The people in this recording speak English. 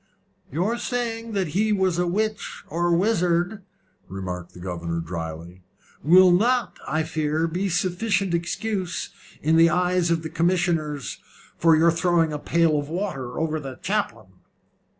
"Your saying that he was a witch or wizard," remarked the governor, dryly, "will not, I fear, be sufficient excuse, in the eyes of the commissioners, for your throwing a pail of water over the chaplain."